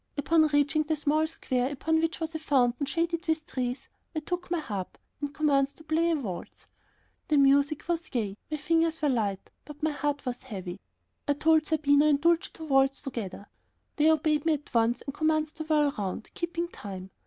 Upon reaching the small square upon which was a fountain shaded with trees, I took my harp and commenced to play a waltz. The music was gay, my fingers were light, but my heart was heavy. I told Zerbino and Dulcie to waltz together. They obeyed me at once and commenced to whirl round, keeping time.